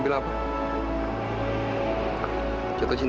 udah aku lakuin